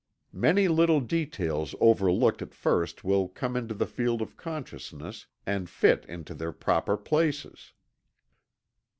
Many little details overlooked at first will come into the field of consciousness and fit into their proper places.